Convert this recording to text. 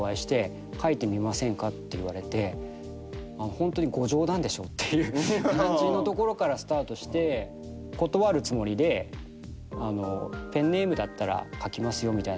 ホントにご冗談でしょ？っていう感じのところからスタートして断るつもりでペンネームだったら書きますよみたいなことを。